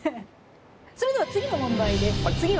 それでは次の問題です。